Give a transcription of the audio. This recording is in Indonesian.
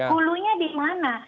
hulunya di mana